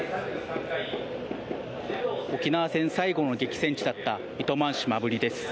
沖縄戦最後の激戦地だった糸満市摩文仁です。